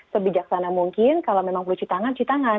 sebijaksana mungkin kalau memang perlu citangan citangan